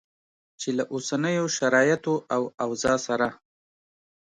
چې له اوسنیو شرایطو او اوضاع سره